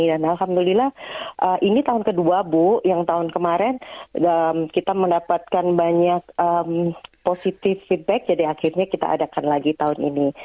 dan alhamdulillah ini tahun kedua bu yang tahun kemarin kita mendapatkan banyak positive feedback jadi akhirnya kita adakan lagi tahun ini